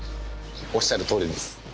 おっしゃるとおりです。